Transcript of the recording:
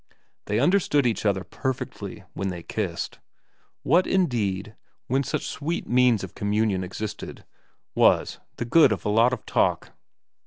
They understood each other perfectly when they kissed. What, indeed, when such sweet means of communion existed, was the good of a lot of talk